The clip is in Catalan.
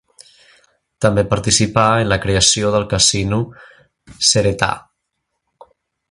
També participà en la creació del Casino Ceretà.